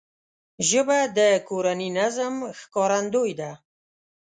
ژبه د کورني نظم ښکارندوی ده